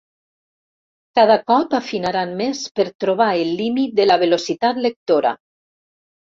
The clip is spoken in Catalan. Cada cop afinaran més per trobar el límit de la velocitat lectora.